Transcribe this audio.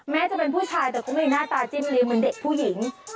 แม้จะเป็นผู้ชายแต่เขามีหน้าตาจิ้มริงเหมือนเด็กผู้หญิง